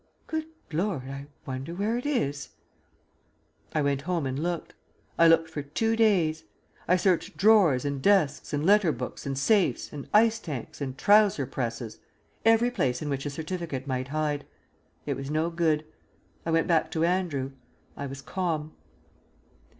"Good Lord, I wonder where it is." I went home and looked. I looked for two days; I searched drawers and desks and letter books and safes and ice tanks and trouser presses every place in which a certificate might hide. It was no good. I went back to Andrew. I was calm.